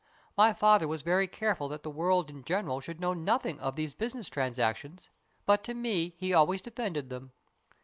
My father was very careful that the world in general should know nothing of these business transactions, but to me he always defended them.